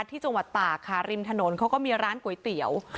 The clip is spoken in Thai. ที่จังหวัดตากค่ะริมถนนเขาก็มีร้านก๋วยเตี๋ยว